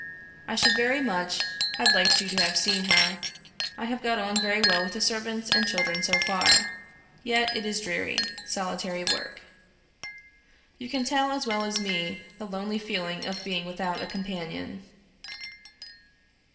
I should very much have liked you to have seen her. I have got on very well with the servants and children so far; yet it is dreary, solitary work. You can tell as well as me the lonely feeling of being without a companion."